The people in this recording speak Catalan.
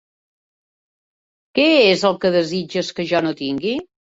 Què és el que desitges que jo no tingui?